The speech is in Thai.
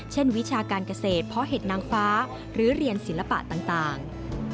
วิชาการเกษตรเพาะเห็ดนางฟ้าหรือเรียนศิลปะต่าง